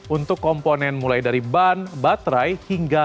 untuk komponen mulai dari ban baterai hingga